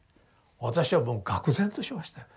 私はもう愕然としましたよ。